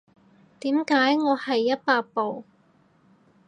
點解我係一百步